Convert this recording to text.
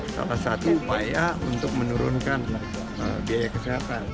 salah satu upaya untuk menurunkan biaya kesehatan